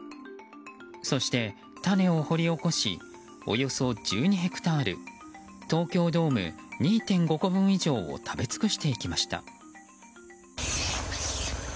そして、種を掘り起こしおよそ１２ヘクタール東京ドーム２．５個分以上を食べつくしていきました。